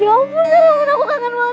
ya ampun aku kangen banget makan rawon